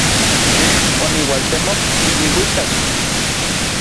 Nej oniualtemok iluikak.